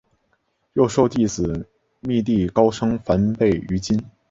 又授弟子觅历高声梵呗于今。